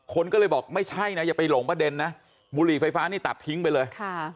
คนก็เลยบอกไม่ใช่นะอย่าไปหลงประเด็นนะบุหรี่ไฟฟ้านี่ตัดทิ้งไปเลยค่ะ